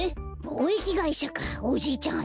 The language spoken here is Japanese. ぼうえきがいしゃかおじいちゃん